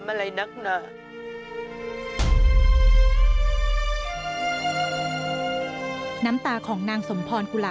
มันเสียใจไงว่าเรื่องมันไม่ใช่เรื่องของลูกเรา